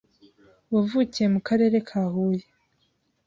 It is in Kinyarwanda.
wavukiye mu Karere ka Huye